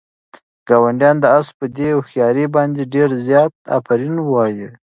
ګاونډیانو د آس په دې هوښیارۍ باندې ډېر زیات آفرین ووایه.